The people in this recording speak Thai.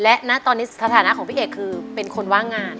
และณตอนนี้สถานะของพี่เอกคือเป็นคนว่างงาน